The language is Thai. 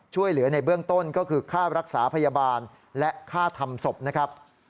ช่วยเหลือในเบื้องต้นก็คือค่ารักษาพยาบาลและค่าทำศพนะครับ